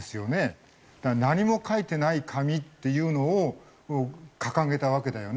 だから何も書いてない紙っていうのを掲げたわけだよね。